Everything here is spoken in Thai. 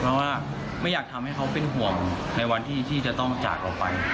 เพราะว่าไม่อยากทำให้เขาเป็นห่วงในวันที่จะต้องจากเราไป